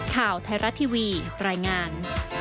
ข่าวไทยรัฐทีวีรายงาน